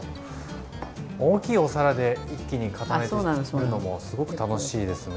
大きいお皿で一気に固めてつくるのもすごく楽しいですね。